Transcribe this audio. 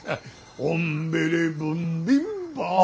オンベレブンビンバー。